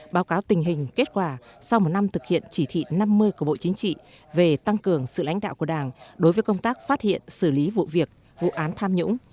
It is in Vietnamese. báo cáo tình hình kết quả sau một năm thực hiện chỉ thị năm mươi của bộ chính trị về tăng cường sự lãnh đạo của đảng đối với công tác phát hiện xử lý vụ việc vụ án tham nhũng